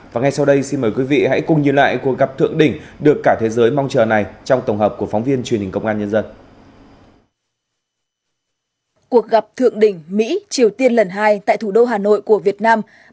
và ngay sau đây xin mời quý vị hãy cùng nhìn lại cuộc gặp thượng đỉnh được cả thế giới mong chờ này trong tổng hợp của phóng viên truyền hình công an nhân dân